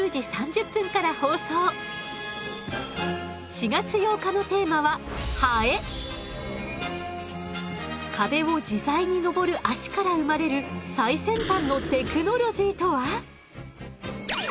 ４月８日のテーマは壁を自在に登る脚から生まれる最先端のテクノロジーとは？